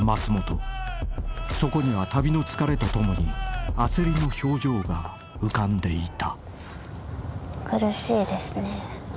［そこには旅の疲れとともに焦りの表情が浮かんでいた］